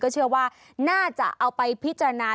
เชื่อว่าน่าจะเอาไปพิจารณา